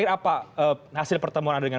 dan sebenarnya juga